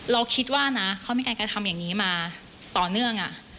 เราคิดว่านะเขามีการกระทำอย่างนี้มาต่อเนื่อง